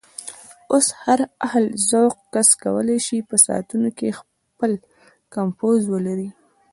اوس هر اهل ذوق کس کولی شي په ساعتونو کې خپل کمپوز ولري.